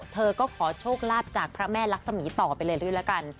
เธอก็ขอโชคลาภจากพระแม่รักษมีต่อไปเรื่อยละกัน